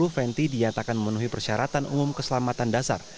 venti dinyatakan memenuhi persyaratan umum keselamatan dasar